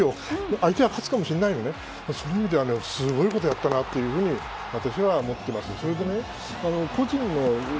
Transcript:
相手が勝つかもしれないけどそういう意味ではすごいことやったなと私は思っています。